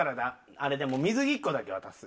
あれだもう水着１個だけ渡す。